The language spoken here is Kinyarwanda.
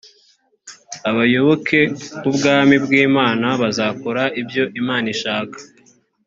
abayoboke b ubwami bw imana bazakora ibyo imana ishaka